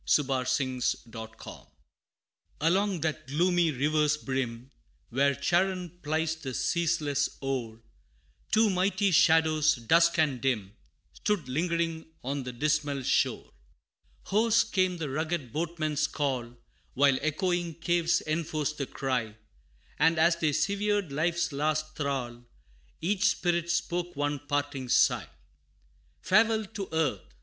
[Illustration: The Two Shades] Along that gloomy river's brim, Where Charon plies the ceaseless oar, Two mighty Shadows, dusk and dim, Stood lingering on the dismal shore. Hoarse came the rugged Boatman's call, While echoing caves enforced the cry And as they severed life's last thrall, Each Spirit spoke one parting sigh. "Farewell to earth!